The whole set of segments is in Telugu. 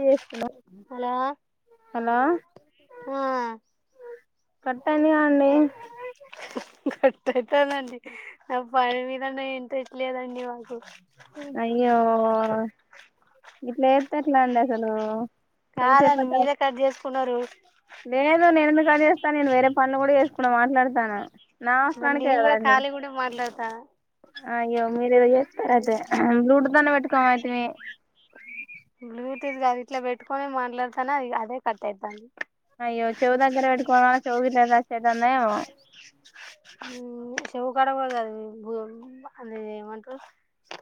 చేస్తున్నారు హలో హలో స [unintelligible] ఆ కట్టని ఆని గట్వుతుందండి నా పని మీద నా ఇంట్రెస్ట్ లేదండి మాకు అయ్యో ఇట్లా ఎతే ఎట్లా అండి అసలు కాదండి కొలిసేపయి మీరే కట్ చేసుకున్నారు లేదు నేనుందు కాని చేస్తాను నేను వేరే పనులు కూడా చేసుకున్నా మాట్లాడతాను నా మ అవసరానికే నిన్ కదా కూడా అండి ఖాలి కూడాడ మాట్లాడతా అయ్యో మీరు ఏదో చేస్తార అయితే బ్లూటూత్ అన్న పెట్టుకోమ అయితే మీ బ్లూటూత్ గదు ఇట్లా పెట్టుకనే మాట్లాడతానా అదే కట్ అయితాంది అయ్యో చెవు దగ్గర పెట్టుకోవ చవు గదదందయ చెవుకాడ అ ఏమంరు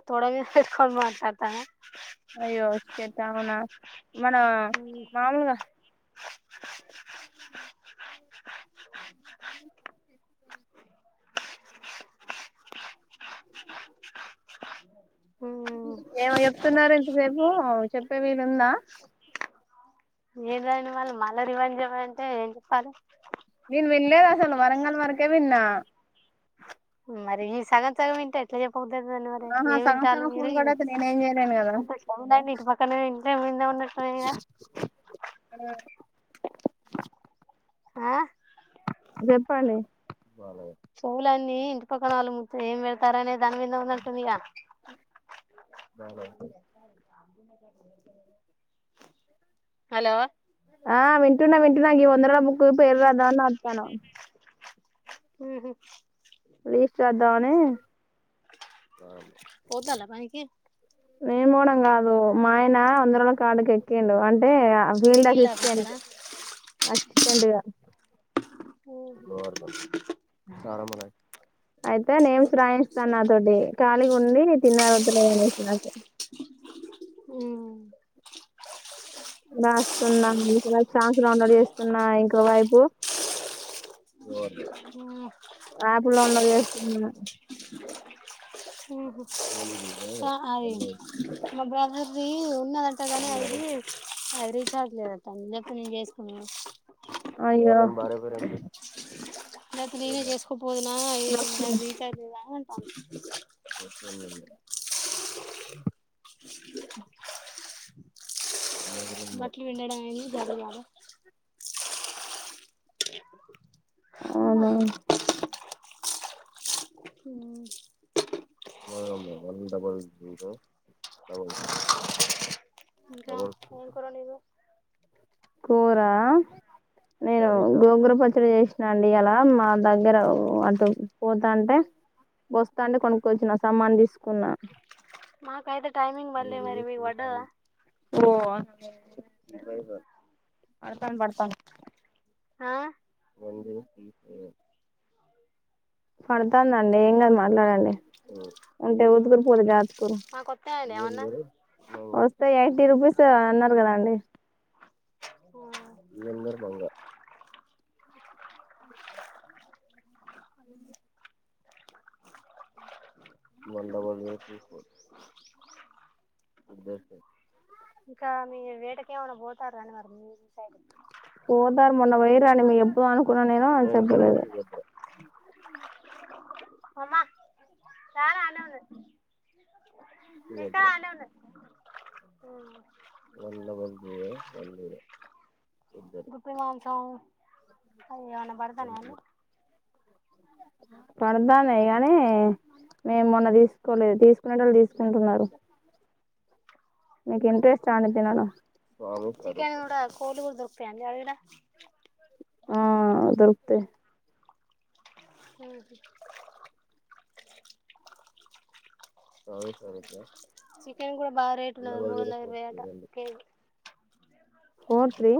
తోడ మీ పెట్టుకొన మాట్లాడతాను అయ్యో చెద్దా మన మన మామూలుగా [inaudible] [inaudible] రేపు చెప్పే వీరుందా ఏదని వాళ్ళ మళ రివంజం అంటే ఏం చెప్పాలి నేను వినలేదు అసలు వరంగల్ వరకే [inaudible] మరి సగం సగం వింటే ఎట్ చెప్ప పోతుది దాని మరి ఆహా ఏమి సగం వింటారు సగం ఫోన్ మీరు కట్ అయితే నేనేం చేయలేను కదా చె ఇంటి పక్కనే వింటే ముందే ఉన్నట్ద ఆ చెప్పండి వాల చెవులన్నీ ఇంటి పక్కన వాళ్ళు ము ఏం వెళ్తారనే దాని మీద ఉందంటుంది ఇక బాల హలో ఆ వింటున్నా వింటునగి ఇ ఒందరడ ము పోయి పర్ రాదా నాతన హ విశ దాని ధాల పనికి నేన్ మోడంగా కాదు మాయ అందరం ఒకాడకి ఎక్కిద్ అం అంటే ఫీల్డ్ నీళ్ళు అసిస్టెంట్ తాగుతారా అసిస్టెంట్గా చిల్లవారిపల్లి కరమన్ అయితే నేమ్స్ రాయిస్తాను నాతోటి ఖాళీగా ఉండి తిన్నారు వద్దు అనేసి నాకు ఉ రాస్తున్నాను సంవత్సరం లో చేస్తున్నా ఇంకో వైపు యాప్ లోన్ లో చేస్తున్నా ఉ ఉ అ మాబ రీ చిన్న దంటగాని యిది అది రీఛార్జ్ లేదంట ఇంగెప్పు నేను చేసుకుందును వారెవరె లేతే నేనే చేసుకోపోదునా ఎ దానికి రీచార్జ్ లేదా అంటాంది మ్ బట్లు విండేయడం అయింది లదీ గాదా హ మ్మా అవునా ఉ పోదాం లే మ అ బల్ జీ ల్ ఇంకా ఏం కూర వండి నవ్ నా నేను గోంగూర పచ్చడి చేసినా అండి ఇయాలా మా దగ్గర అంటు పోతాంటే వస్తాంటే కొను కొల్చిన సామాన్ తీసుకున్న మాకైతే టైమింగ్ పల్లే మరి మీకు పడ్డదా వోవ పడతాంది పడతాం ఆ రండి తీసే పడుతాందండి ఏం గాదు మాట్లాడండి అంటే ఉదుగురు పోతే జాతుకురు మాకు వత్తాయండి ఏమన్నా వస్తయే తినిపిస్తా అని అన్నారు కదాండి ఈ సందర్భంగా అదేంది మండవళకు వేసుకొని పోయి ఉద్దే సే ఇంకా మీ వేటకేమైనా పోతార అండి మరి మీ సైడ్ ఆ నేను అచా బ్బోద ఓమ్మా ప్యాడ ఆనే ఉన్నది ఎక్కడ ఆనే ఉన్నది అ వందవజే వందు ఇద్దరు గుప్పి మాంసం అవి ఏమన్నా పడతాన్నాయా అండి పడద్దనే గానీ మేము మొన్న తీసుకోలేదు తీసుకునేటోళ్లు తీసుకుంటున్నారు మీకి ఇంట్రెస్టా అండి తినడం చికెన్ కూడా కోళ్ళు కూడా దొరుకుతాయండి అడవిలా ఆ దొరుకుతయ్ మ్మ్ హ్మ్ చవిసారపో చికెన్ కూడా బాగా రేట్ ఉన్నది మూడు వందల ఇరవై అట KG four three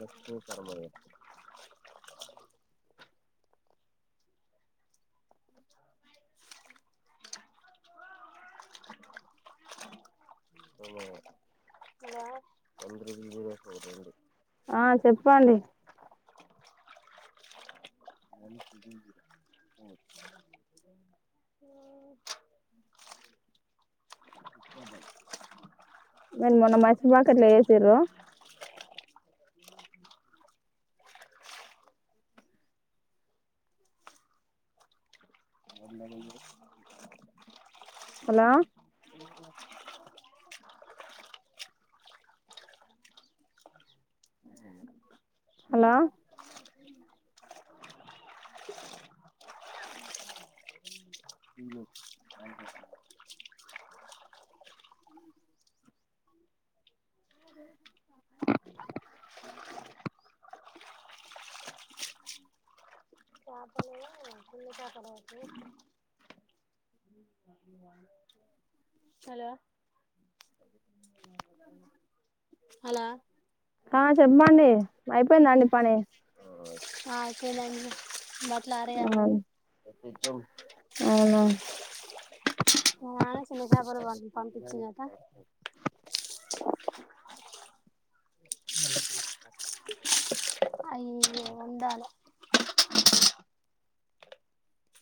Lakshmi Paramayya సను [unintelligible] hello ఆ చెప్పండి మరిగు [unintelligible] మేను మొన్న మంచిపాకెట్లో వేసిర్రు మలబ [unintelligible] హలో హలో హ [unintelligible] తీలో [unintelligible] [inaudible] కు కాపడ [inaudible] హలో అ [inaudible] హలా ఆ చెప్పమండి అయిపోయిందండి పని కేనండి మ [unintelligible] చలాారే అ [unintelligible] అవునవును చానా చిన్న చేపలు ప పంపించిందట మళ [unintelligible] అయ్ ఇయ్యో వండాల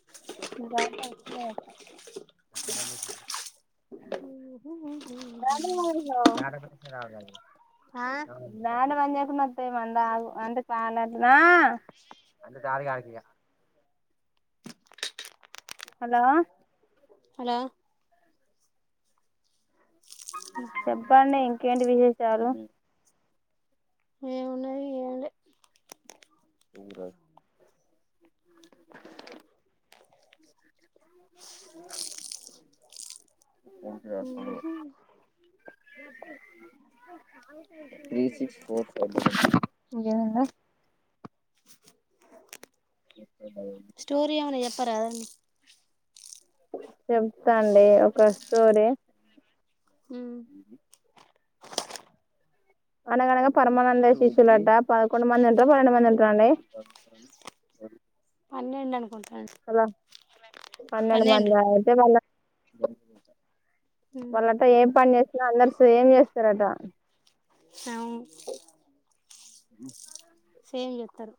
ద పని ఆ అంటే [unintelligible] హలో హలో చెప్పండి ఇంకేంటి విశేషాలు ఏమున్నది ఏం లే ఊరు [inaudible] త్రి సిక్స్ ఫోర్ ఫైవ్ డ [unintelligible] [inaudible] స్టోరీ ఏమన్నా చెప్పారాదండి చెప్తాండి ఒక స్టోరీ అనగనగా పరమానందయ్య శిష్యులట పదకొండు మంది ఉంటర పన్నెండు మంది ఉంటరండి పన్నెండు అనుకుంట హలో పన్నెడు పన్నెండు మంది అయితే మళ్ళ వాళ్ళట ఏ పని చేసిన అందరు సేమ్ చేస్తరట అవును [inaudible] సేమ్ చేస్తారు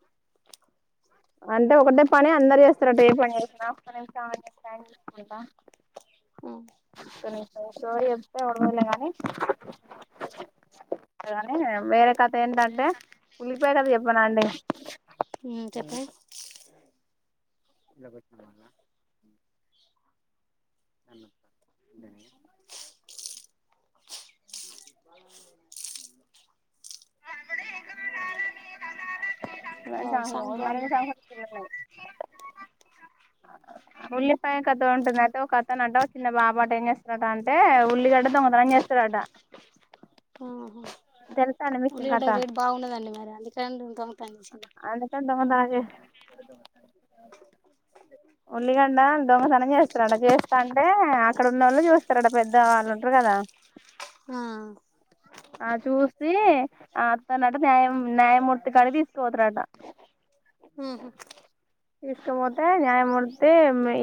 అంటే ఒకటే పని అందరు చేస్తారట ఏ పని చేసిన [unintelligible] చెప్డ ని వేరే కథ ఏంటంటే ఉలిపాయ కద చెప్పనా అండి ఉ చెప్పండి ఇలా గుచ్చవాల [inaudible] అ అందేనే [unintelligible] అప్పుడ ఎ [inaudible] వావ్ సాహు సాంగ్ మర బాగుంది సాహ [unintelligible] ఉల్లిపాయ కత ఉంటుంనాటు ఓక వస్తానట ఒక చిన్న బా పాట ఏం చేస్తారట అంటే ఉల్లిగడ్డ దొంగతనం చేస్తారట. తెర ఉల్లియ రేట్ బాగుండదండి మరి అందుక అందుకని దొంగతనం ఉల్లిగండ దొంగతనం చేస్తారడా చేస్తా అంటే అక్కడ ఉన్న వాళ్ళు చూస్తారడా పెద్ద వాళ్ళు ఉంటారు కదా. ఆ ఆ చూసి ఆ తనట న్యాయ న్యాయమూర్తి కడ తిస్ పోతారంట ఉ తీసుకుపోతే న్యాయమూర్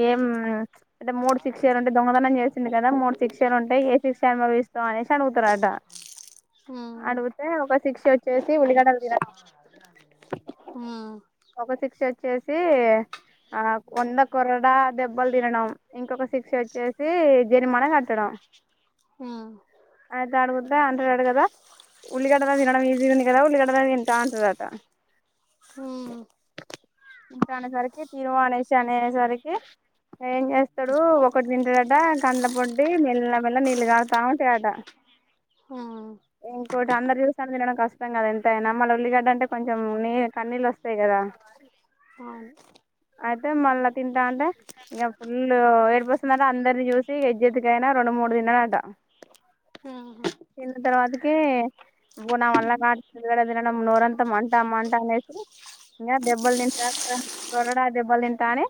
ఏ అంటే మూడు శిక్షలు ఉంటే దొంగతనం చేసింది కదా మూడు శిక్షలు ఉంటే ఏ శిక్ష అనుభవిస్తావు అనేసి అడుగుతారుట ఆ అడుగితే ఒక శిక్ష వ.. చేసి ఉల్లిగ ఆ అవున హ ఒక శిక్ష వచ్చేసి ఆ వంద కురడా దెబ్బలు తినడం, ఇంకొక సిక్ష వచ్చేసి జరిమానా కట్టడం. ఆ అయితే ఆడుగుద్దా అంటారట కదా ఉల్గాడ తినడం ఈజీగా ఉంది కదా ఉల్లిగడ్డతో తింటా అంటారట కదా. ఉ ఇంకా అనేసరకి తీను అనేసి అనేసరీకి ఏం చేస్తాడు ఒకటి తింటారట కనా పొడ్డి మెల్ల మెల్ల నీళ్ళు తాగుతా ఉంటాయట. ఆ కో అందరు చూసా తినడం కష్టం కద ఎంతైనా మళ ఉల్లిగడ్డంటే కొం చెం నీ కన్నీళ్ళు వస్తాయి కదా అవును అయితే మళ్ళా తింటా అంటే ఇంకా ఫుల్ ఏడిపోస్తుందంట అందరిని చూసి ఎజ్జెతికయినా రెండు మూడు తిన్ననట ఆ తిన్న తర్వాతకి ఇ పో నావళ్ళ ఉల్లిగడ్డ తినడం నూరంతా మ అమౌంట అనేసి, ఇంకా దెబ్బలు తింట చరడా దెబ్బలు తింటా అని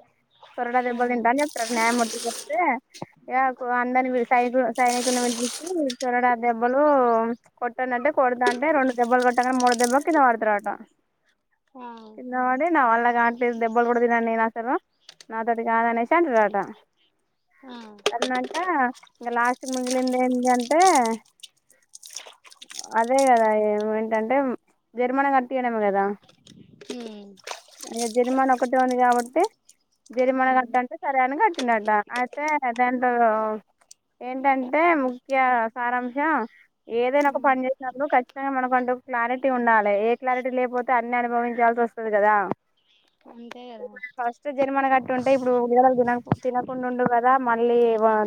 కొరడ దెబ్బలు తింటా అని చెప్తారు న్యాయమూర్తి చెప్తే ఇక అందరిని సైకులు సైనికులను చరడా దెబ్బలు కొట్టనంటే కొడదా అంటే రెండు దెబ్బలు కొట్టకని మూడు దెబ్బకి కింద పడుతారు అట. ఆ కింద పడి నా వాళ్ళ కా దెబ్బలు కూడా తినను నేను అసలు నాతోటి కాదనేసి అంటుారట ఆ అన్నాక ఇంకా లాస్ట్ మిగిలింది ఏంటంటే అదే కదా ఏ ఏంటంటే జరిమానట్ తీయడం కదా కదా ఉమ్ అ జరిమానా ఒకటిే ఉంది కాబట్టి జరిమానా ఉమ్ కట్టంటే సరే అని కట్టినట అయితే దాంట్లో ఏంటంటే ముఖ్య సారాంశం ఏదైనా ఒక ఉమ్ పని చేసినప్పుడు ఖచ్చితంగా మనకుంట క్లారిటీ ఉండాలి. ఏ క్లారిటీ లేకపోతే అన్ని అనుభవించాల్సి వస్తుంది కదా అంతే కదా తుంటే ఇప్పుడు విడుదలు తినకు తినకుండా ఉండడు కదా మళ్ళీ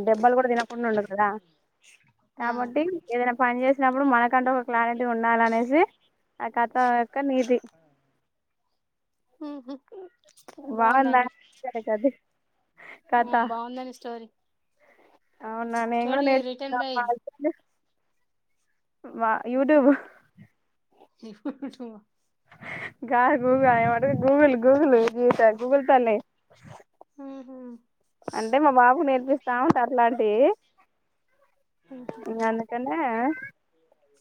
దెబ్బలు కూడా తినకుండా ఉండు కదా. ఆ కాబట్టి ఏదైనా పని చేసినప్పుడు మనకు కంటు ఒక క్లారిటీ ఉండాల అనేసి కథ ఒక నీది ఉహు బాగుందా బాగుందండి [unintelligible] ఆ కథ బాగుందండి స్టోరీ అవునా నేను కూడా స్టోరీ నేర్చుకున్నా రిటర్న్ ఇగ ఆ బై పాలుతోని వా యూటుబ్ ని ఫోటో గాగు దన్నెమంటరు గూగుల్ గూగుల్ గూగుల్ త గూగుల్ తల్లే ఉహు అంటే మా బాబు నేర్పిస్తా ఉంట అట్లాంటియి ఉమ్ ఇగ అందుకని ఆ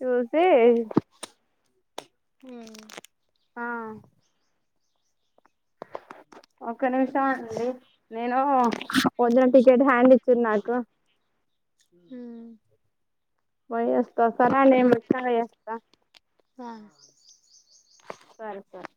చూసి ఆ ఒక నిమిషం అండి నేను పొద్దున టికెట్ హ్యాండ్ ఇచ్చిరు నాకు ఉమ్ పోయస్త సరా నే వచ్చినాక చేస్త వా సరే సరే